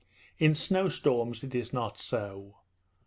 In snowstorms it is not so.